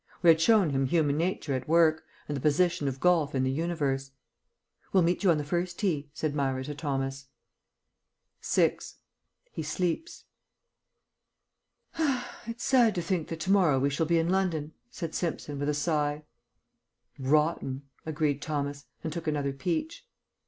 We had shown him human nature at work, and the position of golf in the universe. "We'll meet you on the first tee," said Myra to Thomas. VI. HE SLEEPS "It's sad to think that to morrow we shall be in London," said Simpson, with a sigh. "Rotten," agreed Thomas, and took another peach.